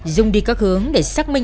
dùng đi các hướng để xác minh